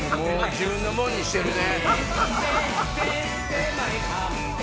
自分のものにしてるね。